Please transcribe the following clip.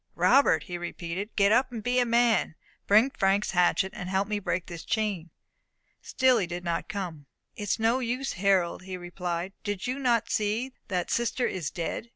"Robert," he repeated, "get up, and be a man. Bring Frank's hatchet, and help me break this chain." Still he did not come. "It is no use, Harold," he replied. "Do you not see that sister is dead?